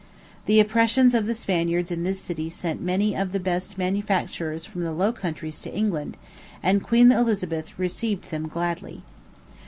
The oppressions of the Spaniards in this city sent many of the best manufacturers from the Low Countries to England; and Queen Elizabeth received them gladly.